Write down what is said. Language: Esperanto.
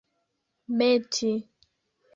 meti